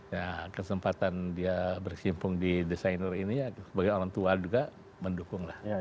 ya kesempatan dia bersimpung di desainer ini ya sebagai orang tua juga mendukung lah